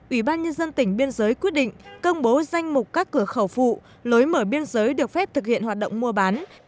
ủy ban nhân dân tỉnh biên giới quyết định công bố danh mục các cửa khẩu phụ lối mở biên giới được phép thực hiện hoạt động mua bán